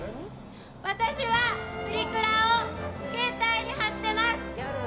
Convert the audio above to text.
私はプリクラを携帯に貼ってます。